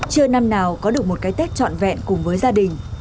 chưa năm nào có được một cái tết trọn vẹn cùng với gia đình